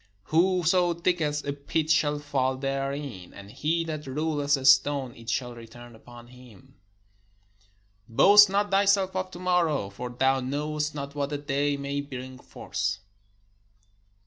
Whoso diggeth a pit shall fall therein: and he that rolleth a stone, it will return upon him. Boast not thyself of to morrow; for thou knowest not what a day may bring forth.